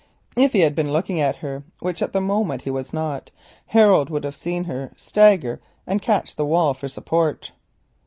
If he had been looking at her, which at that moment he was not, Harold would have seen her stagger and catch at the wall for support.